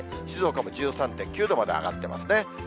静岡も１３．９度まで上がってますね。